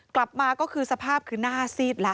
กลับมาก็คือสภาพคือหน้าซีดแล้ว